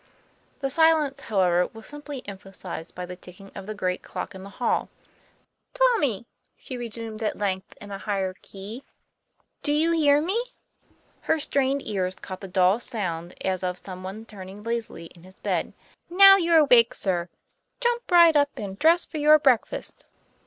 The silence, however, was simply emphasized by the ticking of the great clock in the hall. ' Tommy !" she resumed at length, in a higher key, ' do you hear me?" Her strained ears caught the dull sound as of some one turning lazily in his bed. " Now you're awake, sir, jump right up, and dress for your breakfast."